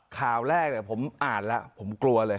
ข่าวแรกผมอ่านแล้วผมกลัวเลย